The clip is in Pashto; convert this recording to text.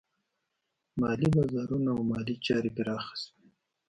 مالي بازارونه او مالي چارې پراخه شوې.